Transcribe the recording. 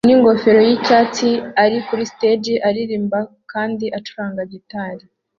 ningofero yicyatsi ari kuri stage aririmba kandi acuranga gitari